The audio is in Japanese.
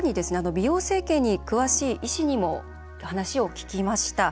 美容整形に詳しい医師にも話を聞きました。